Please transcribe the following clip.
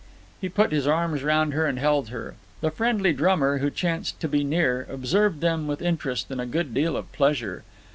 He put his arms round her and held her. The friendly drummer, who chanced to be near, observed them with interest and a good deal of pleasure.